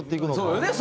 そうよね